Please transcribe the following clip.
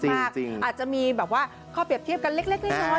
อาจจะมีแบบว่าข้อเปรียบเทียบกันเล็กน้อย